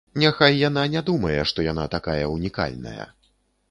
Няхай яна не думае, што яна такая ўнікальная.